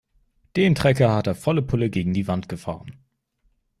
Den Trecker hat er volle Pulle gegen die Wand gefahren.